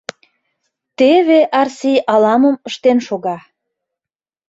Теве Арси ала-мом ыштен шога.